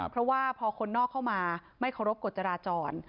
เพราะว่าพอคนนอกเข้ามาไม่เคารพกฎจราจร